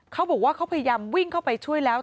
เขาบอกว่าเขาพยายามวิ่งเข้าไปช่วยแล้ว